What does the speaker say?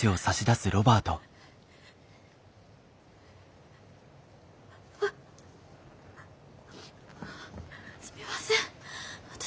すみません私。